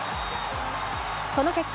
その結果